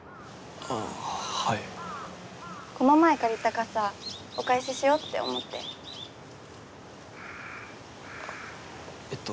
あぁはいこの前借りた傘お返ししようって思ってあっえっと